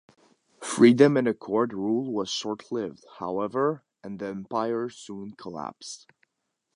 Freedom and Accord rule was short lived, however, and the empire soon collapsed.